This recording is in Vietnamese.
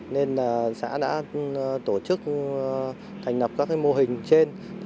nên là xã đã tổ chức thành lập các mô hình trên